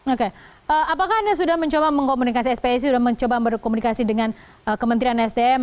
oke apakah anda sudah mencoba mengkomunikasi spic sudah mencoba berkomunikasi dengan kementerian sdm